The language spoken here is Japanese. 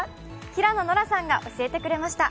平野ノラさんが教えてくれました。